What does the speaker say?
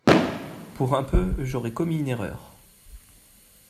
Pour un peu, j’aurais commis une erreur.